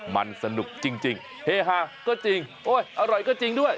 มันสนุกจริงเฮฮาก็จริงโอ๊ยอร่อยก็จริงด้วย